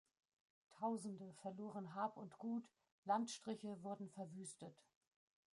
Tausende verloren Hab und Gut, Landstriche wurden verwüstet.